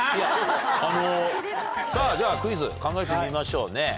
さぁではクイズ考えてみましょうね。